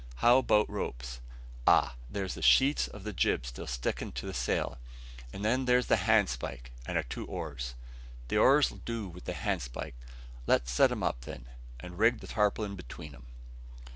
How about ropes? Ah! there's the sheets of the jib still stickin' to the sail; and then there's the handspike and our two oars. The oars 'll do without the handspike. Let's set 'em up then, and rig the tarpaulin between 'em."